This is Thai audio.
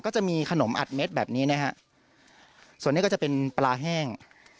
จะมีขนมอัดเม็ดแบบนี้นะฮะส่วนนี้ก็จะเป็นปลาแห้ง